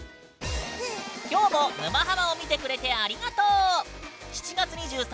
今日も「沼ハマ」を見てくれてありがとう！